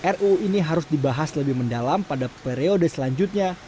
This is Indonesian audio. ruu ini harus dibahas lebih mendalam pada periode selanjutnya